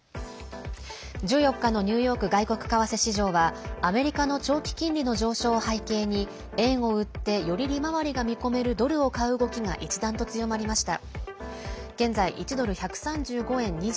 １４日のニューヨーク外国為替市場はアメリカの長期金利の上昇を背景に円を売ってより利回りが見込めるドルを買う動きが一段と強まりました。